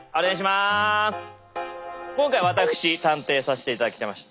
今回私探偵させて頂きました。